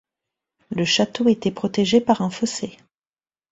Le château était protégé par un fossé.